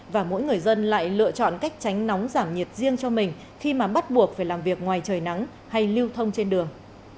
và mỗi người dân lại lựa chọn cách tránh nóng giảm nhiệt riêng cho mình khi mà bắt buộc phải làm việc ngoài trời nắng hay lưu thông trên đường